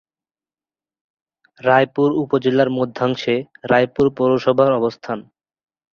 রায়পুর উপজেলার মধ্যাংশে রায়পুর পৌরসভার অবস্থান।